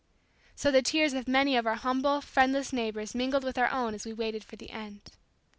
So the tears of many of our humble, friendless neighbors mingled with our own as we waited for the end.